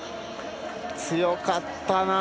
強かったな。